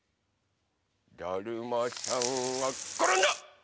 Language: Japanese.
だるまさんがころんだ！